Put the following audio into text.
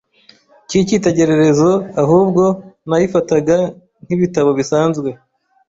cy’ikitegererezo ahubwo nayifataga nk’ibitabo bisanzwe.